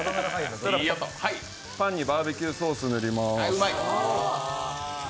パンにバーベキューソースを塗ります。